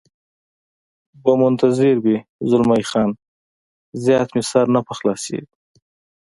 به منتظر وي، زلمی خان: زیات مې سر نه په خلاصېږي.